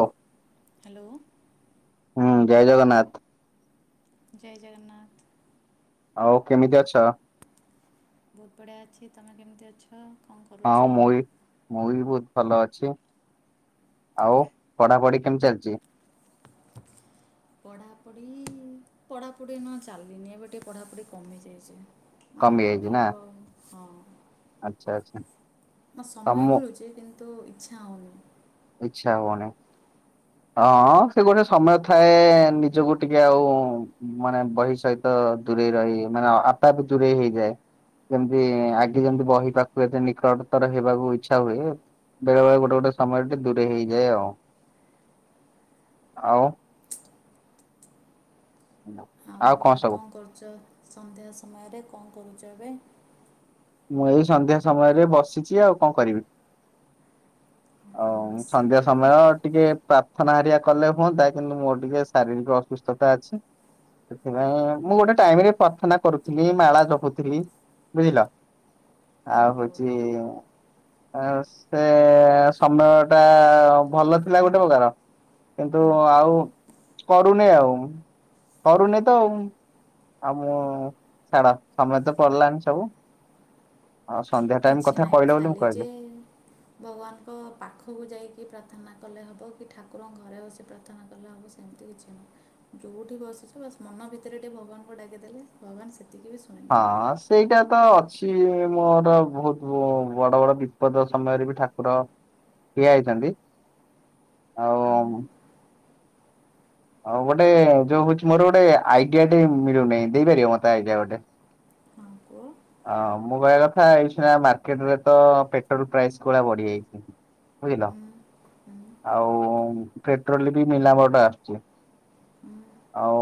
ଓଃ hello ହଁ ଜୟ ଜଗନ୍ନାଥ। ଜୟ ଜଗନ୍ନାଥ। ଆଉ କେମିତି ଅଛ? ବହୁତ୍ ବଢ଼ିଆ ଅଛି ତମେ କେମିତି ଅଛ? କ'ଣ କରୁଛ ହଁ ମୁଁ ବି ମୁଁ ବି ବୋହୁତ୍ ଭଲ ଅଛି। ଆଉ ପଢାପଢି କେମିତି ଚାଲିଛି? ପଢାପଢି ପଢାପଢି ନା ଚାଲିନି ଏବେ ଟିକେ ପଢାପଢି କମି ଯାଇଛି। ମାନେ କମି ଯାଇଛି ନା ପଢିବାକୁ ଆଉ ସ ଆଚ୍ଛା ଆଚ୍ଛା ତମୋ ତ ଇଚ୍ଛା ହୋଉନି। ଇଚ୍ଛା ହୋଉନି? ହଁ ସେ ଗୋଟେ ସମୟ ଥାଏ ନିଜକୁ ଟିକେ ଆଉ ମାନେ ବହି ସହିତ ତ ଦୂରେଇ ରହି ମାନେ ଆପେ ଆପେ ଦୂରେଇ ହେଇଯାଏ। ଯେମିତି ଆଗେ ଯେମିତି ବହି ପାଖକୁ ଏତେ ନିକଟତର ହେବାକୁ ଇଚ୍ଛା ହୁଏ ବେଳେ ବେଳେ ଗୋଟେ ଗୋଟେ ସମୟରେ ଟିକେ ଦୂରେଇ ହେଇଯାଏ ଆଉ। ଆଉ? ହ [inaudible] ଆଉ କଣ କରୁଚ ସନ୍ଧ୍ୟା ସମୟରେ କଣ କରୁଚ ଏବେ? ମୁଁ ଏଇ ସନ୍ଧ୍ୟା ସମୟରେ ବସିଛି ଆଉ କଣ କରିବି। ଆଉ ସନ୍ଧ୍ୟା ବସିକି ସମୟ ଟିକେ ପ୍ରା ଥନା ହେରିଆ କଲେ ହୁଅନ୍ତା କିନ୍ତୁ ମୋର ଟିକେ ଶାରୀରିକ ଅସୁସ୍ଥତା ଅଛି। ସେଥିପାଇଁ ମୁଁ ଗୋଟେ ଟାଇମ୍ ରେ ପ୍ରାର୍ଥନା କରୁଥିଲି ମାଳା ଜପୁଥିଲି ବୁଝିଲ? ଆଉ ଓହୋ ହୋଉଛି ଆ ସେ ସମୟ ଟା ଭଲ ଥିଲା ଗୋଟେ ପକାର। କିନ୍ତୁ ହୁଁ ଆଉ କରୁନି ଆଉ କରୁନି ତ ଆଉ। ଆଉ ମୁଁ ଛାଡ ସମୟ ତ ପଳେଇଲାନି ସବୁ। ଆଉ ସନ୍ଧ୍ୟା ଟାଇମ କିଛି କଥା ନାହିଁ କହିଲ ବୋଲି ମୁଁ ଖାଲି କହିଲି। ଯେ ଭଗବାନଙ୍କ ପାଖକୁ ଯାଇକି ପ୍ରାର୍ଥନା କଲେ ହବ କି ଠାକୁରଙ୍କ ଘରେ ବସି ପ୍ରାର୍ଥନା କଲେ ହବ ସେମିତି କିଛି ନୁହଁ ଯୋଉଠି ବସିଛ ବାସ୍ ମନ ନ ଭିତରେ ଟିକେ ଭଗବାନଙ୍କୁ ଡାକି ଦେଲେ ଭାଗବାନ ସେ ହଁ ସେଇଟା ତ ଅ ଛି ମୋର ବହୁତ ବଡ ବଡ ବିପଦ ସମୟରେ ବି ଠାକୁର ଠିଆ ହେଇଛନ୍ତି ଆଉ ହୁଁ ଆଉ ଗୋଟେ ଯୋଉ ହୋଉଛି ମୋର ଗୋଟେ ଆଇଡିଆ ଟେ ମିଳୁନି ଦେଇପାରିବ ମତେ ଆଇଡିଆ ଗୋଟେ? ହଁ କୁହ ଆ ମୋବାଇ କଥା ଏଇ ସିନା ମାର୍କେଟ ରେ ତ ପେଟ୍ରୋଲ ପ୍ରାଇସ୍ ଖଳିଆ ବଢିଯାଇଛି। ବୁଝିଲ ହୁଁ ହୁଁ ଆଉ ପେଟ୍ରୋଲ୍ ବି ମିଲାମଡ ଆସୁଛି। ହୁଁ ଆଉ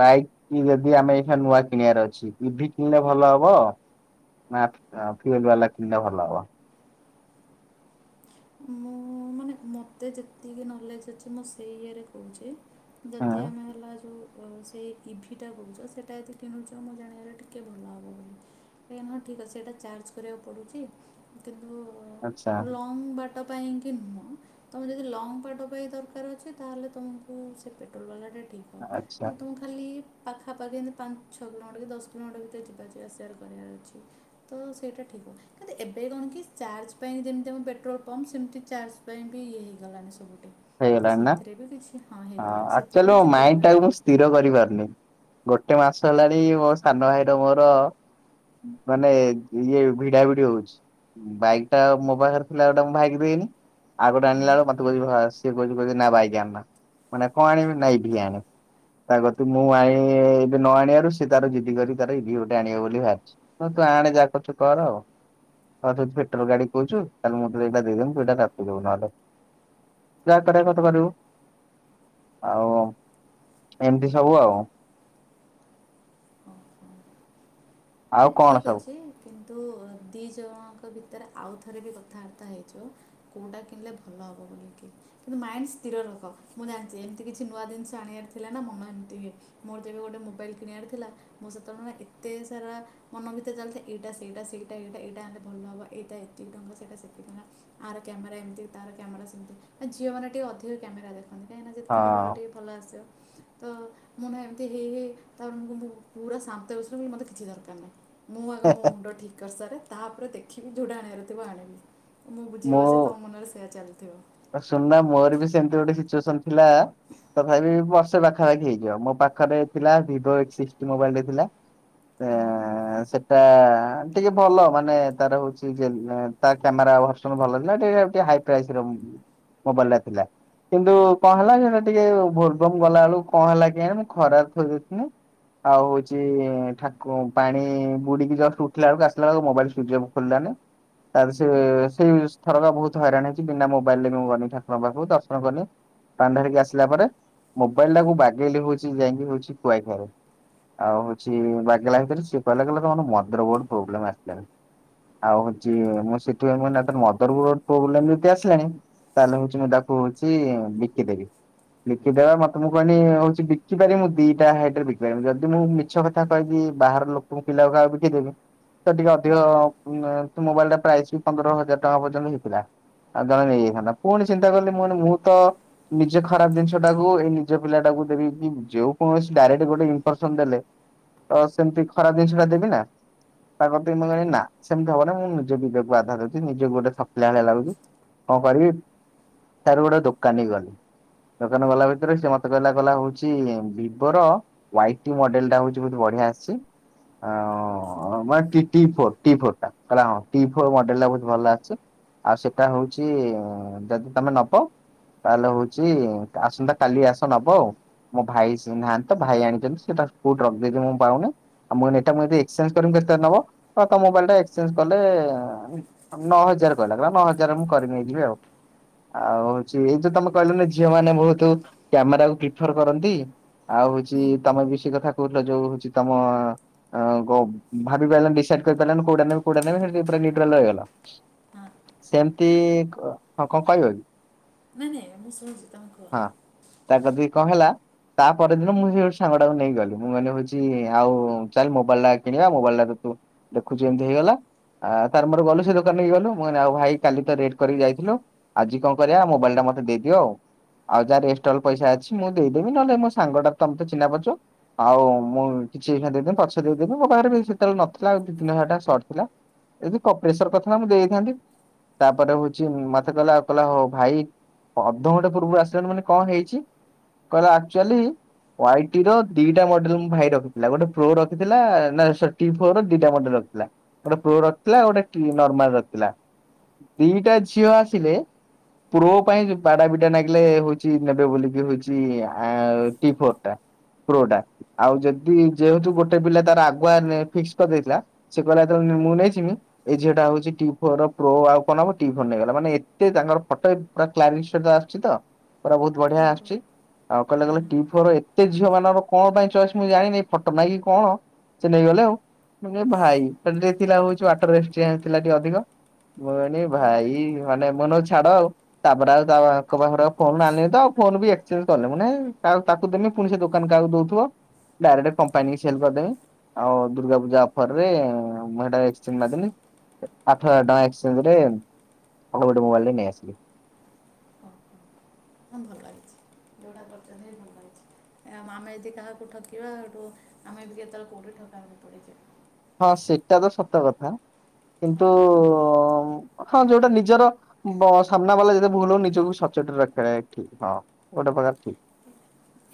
ବାଇକ୍ କି ଯଦି ଆମେ ଏଖିନା ନୂଆ କିଣିବାର ଅଛି ଇଭି କିଣିଲେ ଭଲ ହବ ନା ଫି ଫିଲଉଲୁ ବାଲା କିଣିଲେ ଭଲ ହବ। ମୁଁ ମାନେ ମୋତେ ଯେତିକି ନଲେଜ୍ ଅଛି ମୁଁ ସେଇ ଇଏରେ କୋହୁଚି ହଁ ଯଦି ଆମେ ହେଲା ଯୋଉ ଉଁ ସେଇ ଇଭିଟା କୋହୁଚ ସେଟା ଏତେ କିଣୁଚ। ମୁଁ ଜାଣିବାରେ ଟିକିଏ ଭଲ ହବ ବୋଲି। ଏଁ ନା ଠିକ୍ ଅଛି। ସେଇଟା ଚାର୍ଜ କରିବାକୁ ପଡୁଚି। ଆଚ୍ଛା। ତମ ପାଇଁ କି ମୋ ତମେ ଯଦି ଲଙ୍ଗ ବାଟ ପାଇଁ ଦରକାର ଅଛି ତାହେଲେ ତୁମୁକୁ ସେ ପେଟ୍ରୋଲ ବାଲା ଟା ଆଚ୍ଛା ମୁଁ ତୁମକୁ ଖାଲି ପାଖାପାଖି ଏମିତି ପାଞ୍ଚ ଛଅ କିଲୋମିଟର କି ଦଶ କିଲୋମିଟର ଭିତରେ ଯିବାର ଆସିବାର କରିବାର ଅଛି। ତ ସେଇଟା ଠିକ୍। କିନ୍ତୁ ଏବେ କଣ କି ଚାର୍ଜ ପାଇଁ ଯେମିତି ଆମ ପେଟ୍ରୋଲ ପମ୍ପ ସେମିତି ଚାର୍ଜ ପାଇଁ ବି ଇଏ ହେଇଗଲାଣି ସବୁ। ହେଇଗଲାଣି ନା ହଁ ହେଇଗଲାଣି ସେଥିରେ ଆକଚ୍ୟୁଲି ବି ମୋ କିଛି ପ୍ରୋବ୍ଲେମ୍ ମାଇଣ୍ଡିଟା କୁ ମୁଁ ନାହିଁ ସ୍ଥିର କରିପାରୁନି। ଗୋଟେ ମାସ ହେଲାଣି ମୋ ସାନ ଭାଇର ମୋର ମାନେ ଇଏ ଭିଡା ଭିଡି ହୋଉଚି। ବାଇକ୍ ଟା ମୋ ପାଖରେ ଥିଲା ଗୋଟା ମୁଁ ଭାଇକି ଦେଇଦେନି ଆଉ ଗୋଟେ ହଁ ଆଣିଲା ବେଳୁକୁ ମତେ କୋହୁଚି ଭାସ ସିଏ କୋହୁଚି କୋହୁଚି ନା ବାଇକ୍ ଆଣେନା। ମାନେ କଣ ଆଣିବି ନା ଇଭି ଆଣେ। ତା କତୁରୁ ମୁଁ ଆଣି ବି ନ ଆଣିବାରୁ ସେ ତାର ଜିଦି କରି ତାର ଇଭି ଗୋଟେ ଆଣିବ ବୋଲି ଭାହାରିଚି ହଁ ତୁ ଆଣେ ଯାହା କୁରୁଚୁ କର ଆଉ। ହଁ ତୁ ଯଦି ପେଟ୍ରୋଲ ଗାଡି କୋହୁଚୁ ତାହେଲେ ମୁଁ ତତେ ଏଇଟା ଦେଇଦେନି ତୁ ଏଇଟା ତାକୁ ଦୋବୁ ନହେଲେ ଯାହା କରିବା କଥା ତୁ କରିବୁ। ଆଉ ଏମିତି ସବୁ ଆଉ। ହଉ ହଉ [inaudible] ନା କଣ ଠିକ୍ ସବୁ ଅଛି କିନ୍ତୁ ଦିଇ ଜଣ‌ଆଙ୍କ ଭି ଏରା ଆଉ ଥରେ ବି କଥାବାର୍ତ୍ତା ହେଇଯିବ। କୋଉଟା କିଣିଲେ ଭଲ ହବ ବୋଲି କି କିନ୍ତୁ ମାଇଣ୍ଡ ସ୍ଥିର [unintelligible] ମୁଁ ଜାଣିଚି ଏମିତି କିଛି ନୂଆ ଜିନିଷ ଆଣିବାର ଥିଲା ନା ମନ ଏମତିି ହୁଏ। ମୋର ଯେବେ ଗୋଟେ ମୋବାଇଲ କିଣିବାର ଥିଲା ମୁଁ ସେତେବେଳେ ଏତେ ସାରା ମନ ଭିତରେ ଚାଲିଥାଏ ଏଇଟା ସେଇଟା ସେଇଟା ଏଇଟା ଭଲ ହବ ଏଇଟା ଏତିକି ଟଙ୍କା ସେଟାକି ଟଙ୍କା ଆର କେ କ୍ୟାମେରା ଏମିତି ତାର କ୍ୟାମେରା ସେମିତି ନା ଝିଅମାନେ ଟିକେ ଅଧିକ କ୍ୟାମେରା ଦେଖ ନ୍ତି କାହିଁକିନା ଯଦି ଫଟୋ ଫଟ ହଁ ଟିକେ ଭଲ ଆସିବ ତ ମୁଁ ନା ଏମତି ହେଇ ହେଇ ତାପରେ ମୁଁ କହିଲି ମୁଁ ପୁରା ଶାନ୍ତ ବସିଲି ବୋଲି ମୋତେ କିଛି ଦରକାର ନାହିଁ। ମୁଁ ଆଗ ମୋ ମୁଣ୍ଡ ଠିକ କରିସାରେ ତାପରେ ଦେଖିବି ଯୋଉଟା ଆଣିବାର ଥିବ ଆଣିବି। ମୁଁ ବୁଝି ପାରୁଚି ତମ ମନରେ ସେୟା ଚାଲିଥିବ। ଶୁଣନା ମୋର ବି ସେମିତି ଗୋଟେ ସିଚୁଏସନ୍ ଥିଲା ତଥାପି ବର୍ଷ ସେ ପାଖାପାଖି ହେଇଯିବ ମୋ ପାଖରେ ଥିଲା ଭିଭୋଏଇଟ୍ ସିକ୍ସଟି ମୋବାଇଲ ଟେ ଥିଲା। ହଁ ନା? ଏଁ ସେପ୍ ତା ଟିକେ ଭଲ ମାନେ ତାର ହୋଉଚି ଜେନ୍ ତା କ୍ୟାମେରା ଭର୍ସନ ଭଲଥିଲା ଟିକେ ଟିକ ହାଇ ପ୍ରାଇସ ର ମୋବାଇଲ ଟା ଥିଲା। କିନ୍ତୁ କଣ ହେଲା ସେଟା ଟିକେ ଭୋଲବମ୍ ଗଲା ବେଳକୁ କଣ ହେଲା କି ମୁଁ ଖରାରେ ଥୋଇ ଦେଇଥିନି ଆଉ ହୋଉଚି ଠାକୁ ପାଣି ବୁଡିକି ଜଷ୍ଟ ଉଠିଲା ବେଳକୁ ଆସିଲା ବେଳକୁ ମୋବାଇଲ ସୁଚଅପ୍ ଖୋଲିଲାନି। ତା ସେ ସେଇ ଥରକା ବୋହୁତ ହଇରାଣ ହେଇଚି ବିନା ମୋ [unintelligible] ମୁଁ ଗଲି ଠାକୁରଙ୍କ ପାଖକୁ ଦର୍ଶନ କଲି। ପାଣି ଢାଳିକି ଆସିଲା ପରେ ମୋବାଇଲ ଟାକୁ ବାଗେଇଲି ହୋଉଚି ଯାଇକି ହୋଉଚି କୁଆଖିଆରେ। ଆଉ ହୋଉଚି ବାଗଲା ଭିତରେ ସିଏ କହିଲା ଗ ତମର ମଦର ବୋଡ ପ୍ରୋବ୍ଲେମ ଆସିଲାଣିି। ଆଉ ହୋଉଚି ମୁଁ ସେଥିପାଇଁ ମଦରୋ ବୋର୍ଡ଼ ପ୍ରୋବ୍ଲେ ଯଦି ଆସିଲାଣି ତାହେଲେ ହୋଉଚି ମୁଁ ତାହାକୁ ହୋଉଚି ବିକିଦେବି। ବିକି ଦବା ମତେ ମୁଁ କହିନି ହୋଉଚି ବିକି ପାରିବି ଦିଟା ହାଇଟରେ ବିକି ପାରିବି ଯଦି ମୁଁ ମିଛ କଥା କହିବି ବାହାର ଲୋକଙ୍କୁ ପିଲାକୁକାହାକୁ ବିକିଦେବି। ତ ଟିକେ ହୁଁ ଅଧିକ ମୋବାଇଲ ଟା ପ୍ରାଇସ୍ ବି ପନ୍ଦର ହଜାର ଟଙ୍କା ପର୍ଯ୍ୟନ୍ତ ହେଇଥିଲା ଆଉ ଜଣେ ନେଇ [unintelligible] ପୁଣି ଚିନ୍ତା କଲି ମୁୁଁ ଏଇନା ମୁଁ ତ ନିଜ ଖରାପ ଜିନିଷ ଟାକୁ ଏଇ ନିଜ ପିଲାଟାକୁ ଦେବିକି। ଯେଉ କୌଣସି ଡାଇରେକ୍ଟ ଗୋଟେ ଇନଫର୍ସନ ଦେଲେ ତ ସେମିତି ଖରାପ ଜିନିଷଟା ଦେବି ନା। ତା କତିକି ମୁଁ କହିନି ନା ସେମିତି ହବ ନା ମୁଁ ନିଜେ ବିବେକ କୁ ବାଧା ଦୋଉଚି ନିଜକୁ ଗୋଟେ ଠ କିଲା ଭଳିଆ ଲାଗୁଚି। କଣ କରିବି ତାପରେ ଗୋଟେ ଦୋକାନୀକି ଗଲି ଦୋକାନକୁ ଗଲା ଭିତରେ ସେ ମତେ କହିଲା କହିଲା ହଉଛି ଭିବୋର ୱାଇଟି ମଡେଲଟା ହଉଛି ବହୁତ ବଢିଆ ନୂଆ ଆସିଛି ଅ ନା T T four T four ଟା କହିଲା ହଁ ଟି ଫୋର୍ ମଡେଲ ଟା ବହୁ ଭଲ ଅଛି। ଆଉ ସେଟା ହଉଛି ଯଦି ତମେ ନବ ତାହେଲେ ହଉଛି ଆସନ୍ତା କାଲି ଆସ ନବ ଆଉ ମୋ ଭାଇ ନାହାନ୍ତି ତ ଭାଇ ଆଣିଛନ୍ତି ସେଟା କୋଉଠି ରଖିଦେଇଛନ୍ତି ମୁଁ ପାଉନି ମୁଁ କହିଲି ତମେ ଯଦି ଏକ୍ସଚେଞ୍ଜ କରିବ କେତେ ନବ? ହଁ ତମ ମୋବାଇଲ ଟା ଏକ୍ଚେଞ୍ଜ କଲେ ନଅ ହଜା ହଜାର କହିଲା। କହିଲା ନଅ ହଜାର ମୁଁ କରି ନେଇଯିବି ଆଉ। ଆଉ ହଉଛି ଏଇ ଯୋଉ ତମେ କହିଲନି ଝିଅମାନେ ବହୁତ କ୍ୟାମେରାକୁ ପ୍ରିଫର କରନ୍ତି। ଆଉ ହଉଛି ହୁଁ ତମେ ବି ସେ କଥା କହୁଥିଲ ଯୋଉ ହଉଛି ତମ ଗ ଭାବିପାଇଲନି ଡିସାଇଡ କରିପାଇଲନି କୋଉଟା ନେବି କୋଉଟା ନେବି ସେଇଟା ଯୋଉଥିରେ ନିଉଟ୍ରାଲ ରହିଗଲା। ହଁ ସେମିତି ହଁ କଣ କହିବ କି? ନାଇଁ ନାଇଁ ମୁଁ ଶୁଣୁଛି ତମେ କୁହ। [unintelligible] କି କଣ ହେଲା ତାପରଦିନ ମୁଁ ସେ ଯୋଉ ସାଙ୍ଗଟାକୁ ନେଇକି ଗଲି। ମୁଁ କହିଲି ହଉଛି ଆଉ ଚାଲ ମୋବାଇଲଟା କିଣିବା ମୋବାଇଲ ଟା ତୁ ଦେଖୁଛୁ ଏମିତି ହେଇଗଲା। ଆ ତାର ମୋର ଗଲୁ ସେ ଦୋକାନିକୁ ଗଲୁ ମୁଁ ଆଉ ଭାଇ କାଲି ତ ରେଟ କରିକି ଯାଇଥିଲୁ। ଆଜି କଣ କରିବା ମୋବାଇଲଟା ମତେ ଦେଇଦିଅ ଆଉ। ଆଉ ଯାହା ଇନଷ୍ଟଲ ପଇସା ଅଛି ମୁଁ ଦେଇଦେବି, ନହେଲେ ମୋ ସାଙ୍ଗଟା ତମେ ଚିହ୍ନା ପରିଛ ଆଉ ମୁଁ କିଛି ଏଇନା ଦେବି ପଛେ ଦେଇ ଦେବି ମୋ ପାଖରେ ବି ସେତେବେଳେ ନଥିଲା ଦିଇ ତିନିହଜାର ଟଙ୍କା ସର୍ଟ ଥିଲା। ଯଦି [unintelligible] କରିଥାନ୍ତ ମୁଁ ଦେଇଥାନ୍ତି ତାପରେ ହଉଛି ମ ସେ କହିଲା ଆଉ କହିଲା ହଉ ଭାଇ, ଅଧଘଣ୍ଟେ ପୂର୍ବରୁ ଆସିଲାଣି ମାନେ କଣ ହେଇଛି? କହିଲା ଅକ୍ଚୁଆଲି ୱାଇଟିର ଦିଟା ମଡେଲ ମୋ ଭାଇ ରଖିଥିଲା, ଗୋଟେ ପ୍ରୋ ରଖିଥିଲା ନା ସରି ଟି ଫୋର ଦିଟା ମଡେଲ ଥିଲା ଗୋଟେ ପ୍ରୋ ରଖିଥିଲା ଗୋଟେ ନର୍ମାଲ ରଖିଥିଲା ଦିଟା ଝିଅ ଆସି ଥିଲେ ପ୍ରୋ ପାଇଁ ବାଡା ପିଟା ନାଗିଲେ ହଉଛି ନେବେ ବୋଲିକି ହଉଛି ଆ ଟିଫୋର ଟା ପ୍ରୋଟା ଆଉ ଯଦି ଯେହେତୁ ଗୋଟେ ପିଲା ତାର ଆଗୁଆ ଫିକ୍ସ କରିଦେଇଥିଲା ସେ କହିଲା ଯେତେ ମୁଁ ନେଇଜିମି ଏଇ ଝିଅଟା ହଉଛି ଟି ଫୋର ପ୍ରୋ ଆଉ କଣ ନବ ଟି ଫୋର ନେଇଗଲା ମାନେ ଏ ତିକି ତାଙ୍କର ଫଟୋ ପୁରା କ୍ଲାରିଟ୍ ସହ ଆସୁଛି ତ? ପୁରା ବହୁତ ବଢିଆ ଆଉ କୁହ। ଆସୁଛି ଆଉ କହିଲେ ହଁ କହିଲେ ହଁ। ଟି ଫୋର ସେ ଝିଅ ମାନଙ୍କର କଣ ପାଇଁ ଚଏସ ମୁଁ ଜାଣିନି ଫଟୋ ପାଇଁ କଣ ସେ ନେଇଗଲେ ଆଉ। [unintelligible] ଭାଇ [unintelligible] ଥିଲା ହଉଛି ବାଟରେ ଏକସ୍ଚେଞ୍ଚ ଥିଲା ଟିକେ ଅଧିକ ମୁଁ କହିଲି ହଁ ଭାଇ। ମାନେ ମୁଁ [unintelligible] ଛାଡ ଆଉ ତାପରେ ଆଉ ତାଙ୍କ ପାଖରେ ଫୋନ ଆଣିନି ତ ଆଉ ଫୋନ ବି ଏକ୍ସଚେଞ୍ଜ କରିନି ମୁଁଁ କହିଲି ହେ [unintelligible] ତାକୁ ଦେମି ପୁଣି ସେ ଦୋକାନ କାହାକୁ ଦଉଥିବ ଡାଇରେକ୍ଟ କମ୍ପାନୀକି ସେଲ କରିଦେମି। ଆଉ ଦୁର୍ଗାପୂଜା ଅଫରରେ ମୁଁ ହେଇଟା ଏକ୍ସଚେଞ୍ଜ ମାରିଦେଲି। ଆଠହଜାର ଟଙ୍କା ଏକ୍ସଚେଞ୍ଜରେ ଆଉ ଗୋଟେ ମୋବାଇଲ ଟେ ନେଇଆସିଲି। ହଉ, ହଉ। ହଁ ଭଲ ଲାଗୁଛି। ଯୋଉଟା କରିଛନ୍ତି ଭଲ ହେଇଚି। ଆମେ ଯଦି କାହାକୁ ଠକିବା ସୋଉଟୁ ଆମେ ବି କେତେବେଳେ କୋଉଠି ଠକି ହଁ ସେଟା ତ ସତ କଥା। କିନ୍ତୁ ହଁ ଯୋଉଟା ନିଜର ବ ସାମ୍ନା ବାଲା ଯଦି ଭୁଲ ନିଜକୁ ସଚୋ ସଚ୍ଚୋଟ ରଖିଆ ଠିକ ହଁ ଗୋଟେ ପ୍ରକାର ଠିକ।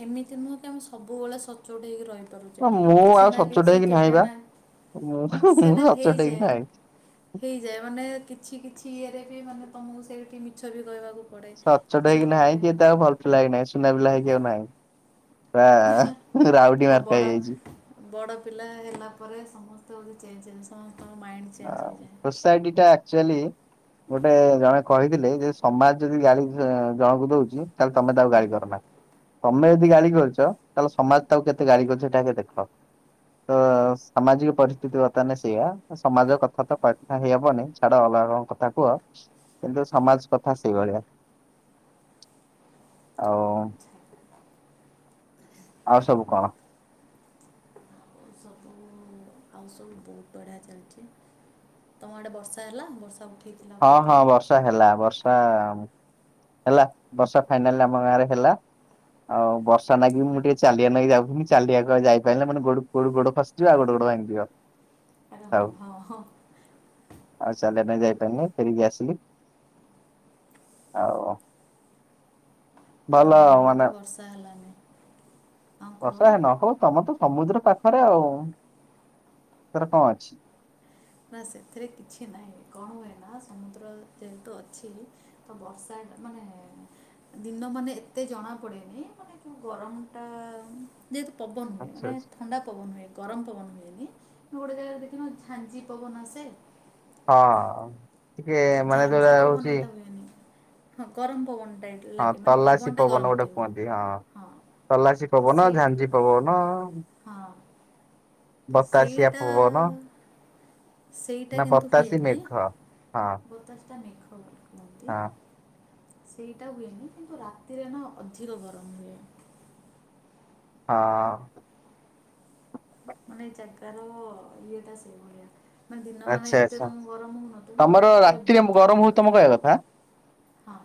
ଏମିତି ନୁହଁ କି ଆମେ ସବୁବେଳେ ସଚ୍ଚୋଟ ହେଇକି ରହି ମୁଁ ଆଉ ସଚ୍ଚୋଟ ହେଇକି ନାଁହିଁ ବା ମୁଁ ସେଇଟା ସଚ୍ଚୋଟ ହେଇ ହେଇଯାଏ ନାହିଁ। ହେଇଯାଏ ମାନେ କିଛି କିଛି ଇଏରେ ବି ମାନେ ତମକୁ ସେଇଠି ମିଛ ବି କହିବାକୁ ପଡ଼େ ସଚ୍ଚୋଟ କିଛି ହେଇକି ଗୋଟେ ନାହିଁକି ଆଉ ଭଲ ପିଲା ହେଇ ନାହିଁ ସୁନା ପିଲା ହେଇକି ଆଉ ନାହିଁ। ପୂରା ରାଉଡି ଓ ମାରାକା ବଡ଼ ହେଇଯାଇଛି। ବଡ଼ ପିଲା ହେଲା ପରେ ସମସ୍ତେ ହୋଉ ଚେଞ୍ଜ ଜିନିସ। ହଁ ସୋସାଇଟି ଟା ଆକୁଚୁଆଲି। ଗୋଟେ ଜଣେ କହିଥିଲେ ଯେ ସମାଜ ଯଦି ଗାଳି ଜଣକୁ ଦଉଛି। ତାହେଲେ ତମେ ତାକୁ ଗାଳି କରନା। ତମେ ଯଦି ଗାଳି କରିଛ ତାହେଲେ ସମାଜ କେତେ ତାକୁ ଗାଳି କରଛି ସେଇଟା ଦେଖ। ତ ସାମାଜିକ ପରିସ୍ଥିତି ବର୍ତ୍ତମାନ ସେଇଆ। ସମାଜ କଥା ତ କଥାହେଇହବନି ଛାଡ ଅଲଗା କଣ କଥା କୁହ କିନ୍ତୁ ସମାଜ କଥା ସେଇଭଳି। ଆଉ। ଆଚ୍ଛା ଆଉ ସବୁ କଣ? ଆଉ ସବୁ ଆଉ ସବୁ ବହୁତ ବଢ଼ିଆ ଚାଲିଛି ତମ ଆଡ଼େ ବର୍ଷା ହେଲା ବର୍ଷା ଉଠେଇଥିଲା ହଁ ହଁ କହୁଥିଲ ବର୍ଷା ହେଲା ବର୍ଷା। ହେଲା ବର୍ଷ ଫାଇନାଲ ଆମ ଗାଁ ରେ ହେଲା ଆଉ ବର୍ଷା ନାଗି ମୁଁ ଟିକେ ଚାଲିଆ ନେଇକ ଯାଉଥିଲି ଚାଲିଆ ଯାଇପାରିଲି ମାନେ ଗୋ ଗୋଡ ଗୋଡ ଫସିଯିବା ଆଉ ଗୋଟେ ଗୋଡ। ଭାଙ୍ଗି ଯିବ ଆରେ ଆଉ। ହଁ ହଁ ହଁ ଆଉ ଚାଲିବା ପାଇଁ ଯାଇପାରିଲି ନି ଫେରିକି ଆସିଲି। ଆଉ ନା ଭଲ। ଆମ ଆଡ଼େ କିନ୍ତୁ ମାନେ ବର୍ଷା ହେଲାନି। ହଁ ବର୍ଷା କୁହ ନ ହଉ ତମ ତ ସମୁଦ୍ର ପାଖରେ ଆଉ ସେର କଣ ଅଛି। ନା ସେଥିରେ କିଛି ନାହିଁ କଣ ହୁଏ ନା ସମୁଦ୍ର ଯେହେତୁ ଅଛି ତ ବର୍ଷା ମାନେ ଦିନ ମାନେ ଏତେ ଜଣା ପଡେନି ମାନେ ଯୋଉ ଗରମ ଟା ଯେହେତୁ ପବନ ହୁଏ ଆଚ୍ଛା ମାନେ ଆଚ୍ଛା। ଥଣ୍ଡା ପବନ ହୁଏ ଗରମ ପବନ ହୁଏନି ମୁଁ ଗୋଟେ ଜାଗାରେ ଦେଖି ଝାଞ୍ଜି ତ୍ ପବନେ ସେ ହଁ ଟିକେ ମାନେ ଝାଞ୍ଜି ଯୋଉଟା ପବନ ହଉଛି। ଏଇଟା ହୁଏନି ହଁ ଗରମ ପବନ ଟା ହଁ ଲାଗେ ମାନେ ତଲାସି ପବନ ଟା ଗରମ ଥିବ ହଁ। ତଲାସୀ ତ ପବନ ସେ ଝାଞ୍ଜି ପବନ। ହଁ ତ ବତାସିଆ ସେଇଟା ପୁବନ। ସେଇଟା ନା କିନ୍ତୁ ପତାଶୀ ହୁଏନି ମେଘ ହଁ [inaudible] ହଁ ସେଇଟା ହୁଏନି କିନ୍ତୁ ରାତିରେ ନା ଅଧିକ ଗରମ ହୁଏ। ହଁ ହଁ ମାନେ ଜାଗାର ଇଏଟା ସେଇଭଳିଆ। ମାନେ ଦିନ ମାନ ଆଚ୍ଛା ଏତେ ଆଚ୍ଛା। ତମକୁ ଗରମ ହଉନଥିବ କିୁ ତମର ରାତିରେ ବହୁତ ଗରମ ଅଧିକ। ହଉଛି ତମ କହିବା କଥା? ହଁ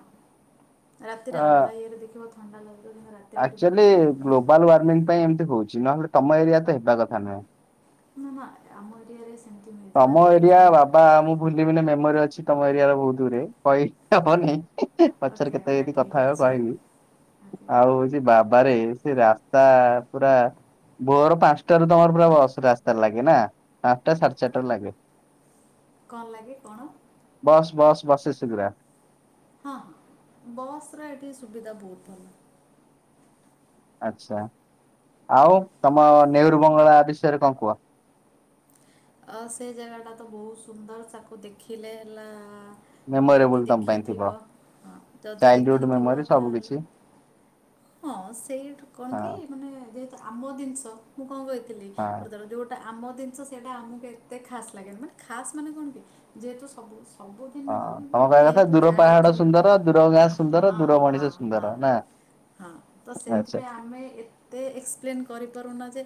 ରାତିରେ ଅ ଅଲଗା ଇଏରେ ଦେଖିବ ଥଣ୍ଡା ଲାଗିବ କିନ୍ତୁ ରାତ। ଆକ୍ଚୁଆଲି ଗ୍ଲୋବାଲ ୱାରୀଙ୍ଗି ପାଇଁ ଏମିତି ହଉଛି ନହେଲେ ତମ ଏରିଆ ତ ହେବା କଥା ନୁହେଁ। ନା ଆମ ଏରିଆରେ ଏସ। ତମ ଏରିଆ ବାବା ଆ ମୁଁ ଭୁଲିବିିନି ମେମୋରି ଅଛି। ତମ ଏରିଆ ର ବହୁତ ଦୂରେ କହି ହନାହିଁ। ପଛରେ ଓକେ କେତେ ଓକେ ଯଦି କଥା ଠିକ୍ ହେବ ଅଛି ହେଲି ଓକେ ଆଉ ଯେ ବାବାରେ ସେ ରା ତ ପୁରା ଭୋର ପାଞ୍ଚଟାରୁ ତମର ପୁରା ବସ ରାସ୍ତାରେ ଲାଗେ ନା ପାଞ୍ଚଟା ସା ସେଟାରେ ଲାଗେ। କଣ ଲାଗେ କଣ? ବସ ଶୀଘ୍ର। ହଁ ହଁ ବସ ର ଏଇଠି ସୁବିଧା ବହୁତ ଭଲ। ଆଚ୍ଛା। ଆଉ ତମ ନେହରୁ ବଙ୍ଗଳା ବିଷୟରେ କଣ କୁହ? ଅ ସେ ଜାଗାଟା ତ ବହୁତ ସୁନ୍ଦର ତାକୁ ଦେଖିଲେ ହେଲା। ଯଦି ମେମୋରେବୁଲ ତମ ପାଇଁ ଥିବ। ଦେଖିଥିବ। ଯଦି ଚାଇଲ୍ଡହୁଡ ଦେଖିଥିବ ମେମୋରି ସବୁ ତାହେଲେ? କିଛି ହଁ ସେଇଠୁ କଣ, ହଁ କି ମାନେ ଯେହେତୁ ଆମ ଜିନିଷ। ମୁଁ କଣ କହିଥିଲି। ହଁ। ପ୍ରଥମେ, ଯୋଉଟା ଆମ ଜିନିଷ ସେଟା ଆମକୁ ଏତେ ଖାସ୍ ଲାଗେନି। ବଟ ଖାସ୍ ମାନେ କଣ, କି ଯେହେତୁ ସବୁ ସବୁଦିନ ହଁ ନୁହଁ, ତମ କିନ୍ତୁ କହିବା କଥା ଯେହେତୁ ଦୂର ପାହାଡ ଜାଣିଛୁ। ସୁନ୍ଦର ଦୂର ଗାଁ ସୁନ୍ଦର ହଁ, ଦୂର ହଁ, ମଣିଷ ହଁ। ସୁନ୍ଦର ନା ହଁ ତ, ଆଚ୍ଛା ସେଥିପାଇଁ ଆମେ ଏତେ ଏକ୍ସପ୍ଲେନ କରିପାରୁନା ଯେ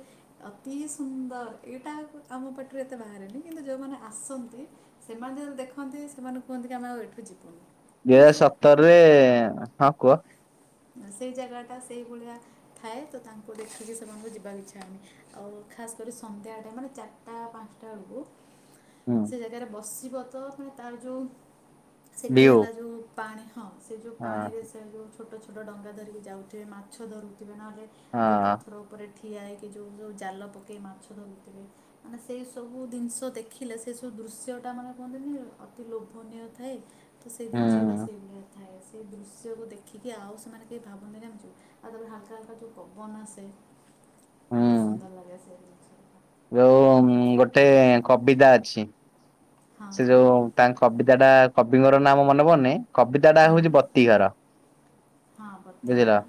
ଅତି ସୁନ୍ଦର, ଏଇଟା ଆମ ପାଟିରେ ଏତେ ବାହାରେନି। କିନ୍ତୁ ଯେଉଁମାନେ ଆସନ୍ତି ସେମାନେ ଦେଖନ୍ତି। ସେମାନେ କୁହନ୍ତି କି, ଆମେ ଆଉ ଏଠୁ ଯିବୁନି। ଦୁଇ ମାନେ ହଜାର ସେ ସତରରେ, ହଁ କୁହ। ସେଇ ଜାଗାଟା ସେଇ ଭଳିଆ ଥାଏ। ତ ତାଙ୍କୁ ଦେଖିକି ସେମାନଙ୍କୁ ଯିବାକୁ ଇଚ୍ଛା ହଉନି। ଆଉ' ଖାସ୍ କରି ସନ୍ଧ୍ୟାରେ, ମାନେ ଚାରିଟା, ପାଞ୍ଚଟା ବେଳକୁ। ହୁଁ ସେ ଜାଗାରେ ବସିବ ତ। ମାନେ ତାର ଯୋଉ, ସେଠି ଭିଉ ହେଲା ଯୋଉ ପାଣି ହଁ। ସେ ଯେଉଁ, ହଁ ପାଣିରେ ସେ ଯେଉଁ ଛୋଟ, ଛୋଟ ଡଙ୍ଗା ଧରିକି ଯାଉଥିବେ। ମାଛ ଧରୁ ଥିବେ ନହେଲେ, ହଁ ଯୋଉ ପଥର ଉପରେ ଠିଆ ହେଇକି ଯୋଉ, ଯୋଉ ଜାଲ ପକେଇ କି ମାଛ ଧଉଥିବେ। ମାନେ ସେଇ ସବୁ ଜିନିଷ ଦେଖିଲେ। ସେ ସବୁ ଦୃଶ୍ୟ ଟା ମାନେ କୁହନ୍ତି, କି ଅତି ଲୋଭନୀୟ ଥାଏ। ତ ସେଇ ଜିନିଷ ଟା ହୁଁ ସେଇଭଳିଆ, ଥାଏ। ସେଇ ଦୃଶ୍ୟକୁ ଦେଖି ଟିକେ ଆଉ, ସେମାନେ କେ ଭାବନା ଜାଣିଛୁ, ଆଉ ତା ଦେହରେ ହାଲକା, ହାଲକା ଯେଉ ପବନ ଆସେ ହୁଁ ବହୁତ ସୁନ୍ଦର ଲାଗେ ସେ ଜିନ୍ସ୍। ଯୋଉ ଗୋଟେ କବିତା ଅଛି। ସେ କୁହ ଯୋଉ ତାଙ୍କ, କବିତାଟା କବିଙ୍କର ନାଁ ମୋର ମନେ ପଡୁନି। କବିତାଟା ହୁଁ ହଉଛି, ବତିଘର। ହଁ ବୁଝିଲ। ପତିଆରା